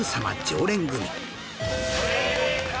常連組